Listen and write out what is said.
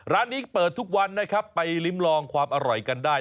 ร้านนี้เปิดทุกวันนะครับไปลิ้มลองความอร่อยกันได้